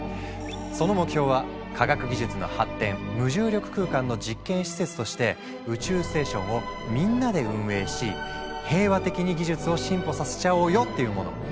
その目標は科学技術の発展無重力空間の実験施設として宇宙ステーションをみんなで運営し平和的に技術を進歩させちゃおうよっていうもの。